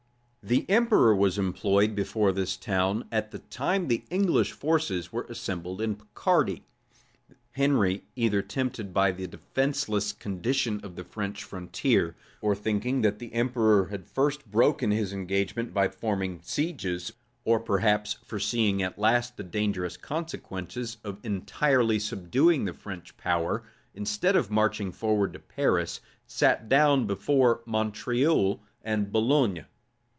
The emperor was employed before this town at the time the English forces were assembled in Picardy. Henry either tempted by the defenceless condition of the French frontier, or thinking that the emperor had first broken his engagement by forming sieges, or, perhaps, foreseeing at last the dangerous consequences of entirely subduing the French power, instead of marching forward to Paris, sat down before Montreuil and Boulogne.